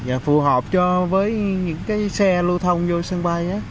và phù hợp cho với những cái xe lưu thông vô sân bay